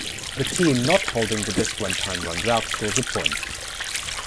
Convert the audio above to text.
The team not holding the disc when time runs out scores a point.